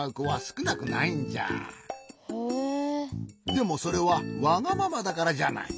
でもそれはわがままだからじゃない。